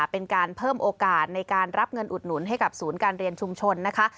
เป็นการเพิ่มโอกาสในการรับเงินอุดหนุนให้กับศูนย์การเรียนชุมชนนะคะ